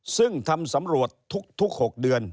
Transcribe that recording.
ซึ่งทำสำรวจทุก๖เดือน